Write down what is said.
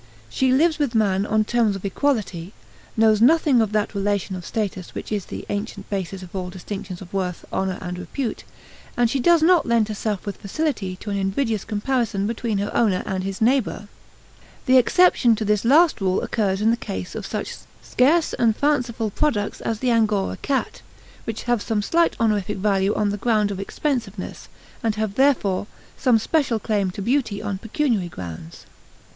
She lives with man on terms of equality, knows nothing of that relation of status which is the ancient basis of all distinctions of worth, honor, and repute, and she does not lend herself with facility to an invidious comparison between her owner and his neighbors. The exception to this last rule occurs in the case of such scarce and fanciful products as the Angora cat, which have some slight honorific value on the ground of expensiveness, and have, therefore, some special claim to beauty on pecuniary grounds.